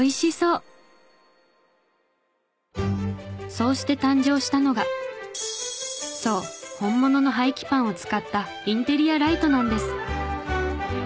そうして誕生したのがそう本物の廃棄パンを使ったインテリアライトなんです！